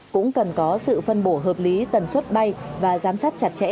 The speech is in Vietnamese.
cũng cần có sự phân bổ hợp lý tần suất bay và giám sát chặt chẽ